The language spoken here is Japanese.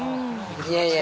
いやいや。